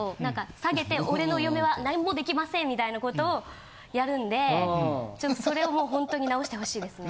下げて「俺の嫁は何もできません」みたいな事をやるんでそれをホントに直してほしいですね。